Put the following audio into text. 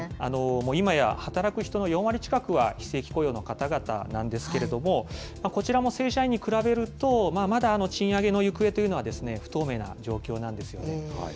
今や働く人の４割近くは、非正規雇用の方々なんですけれども、こちらも正社員に比べると、まだ賃上げの行方というのは不透明な状況なんですよね。